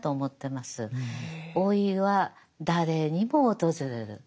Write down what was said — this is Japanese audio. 老いは誰にも訪れる。